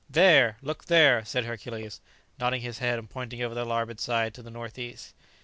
"There! look there!" said Hercules, nodding his head and pointing over the larboard side, to the north east.